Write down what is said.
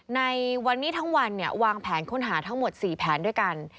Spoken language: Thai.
ในวันนี้ทั้งวันวางแผนค้นหาทั้งหมด๔แผนด้วยกัน